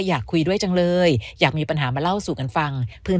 อยากคุยด้วยจังเลยอยากมีปัญหามาเล่าสู่กันฟังเพื่อน